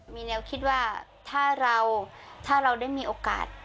มีแนวคิดว่าถ้าเราถ้าเราได้มีโอกาส